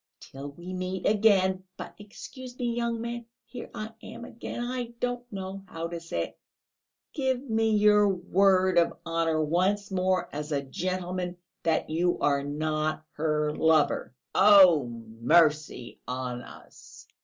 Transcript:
"Till we meet again!... But excuse me, young man, here I am again ... I don't know how to say it ... give me your word of honour once more, as a gentleman, that you are not her lover." "Oh, mercy on us!"